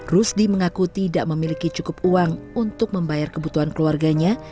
rusdi mengaku tidak memiliki cukup uang untuk membayar kebutuhan keluarganya